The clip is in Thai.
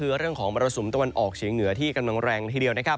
คือเรื่องของมรสุมตะวันออกเฉียงเหนือที่กำลังแรงละทีเดียวนะครับ